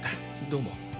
どうも。